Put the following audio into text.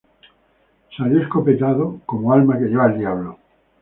Salió escopeteado como alma que lleva el diablo